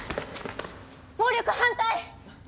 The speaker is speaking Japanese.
暴力反対！